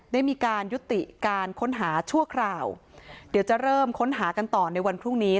ได้มีการยุติการค้นหาชั่วคราวเดี๋ยวจะเริ่มค้นหากันต่อในวันพรุ่งนี้